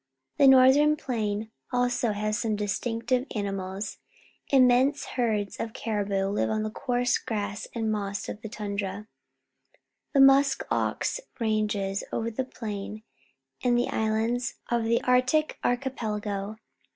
The Northern Plain has also .some distinc tive animals. Immense herds of caribou live on the coarse grass and moss of the tundra. The musk ox ranges over the Plain and the islands of the Arctic Archipelago.